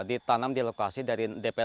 ditanam di lokasi dari dpr